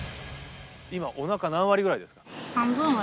今おなか何割くらいですか？